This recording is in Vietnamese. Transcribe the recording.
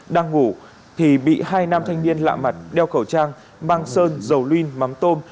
đang ngủ thì bị hai nam thanh niên lạ mặt đeo khẩu trang mang sơn dầu luyên mắm tôm